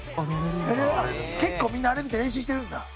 結構みんなあれ見て練習してるんだ？